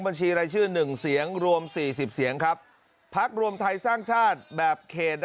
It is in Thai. แบบสนุกของทุกคน